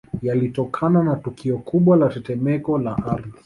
Yalitokana na tukio kubwa la tetemeko la Ardhi